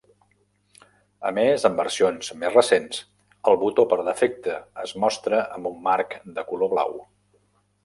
A més, en versions més recents, el botó per defecte es mostra amb un marc de color blau.